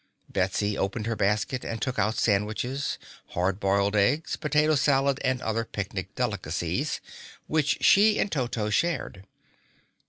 Betsy opened her basket and took out sandwiches, hard boiled eggs, potato salad and other picnic delicacies, which she and Toto shared.